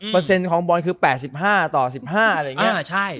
เปอร์เซ็นต์ของบอลคือ๘๕ต่อ๑๕อะไรอย่างเงี้ย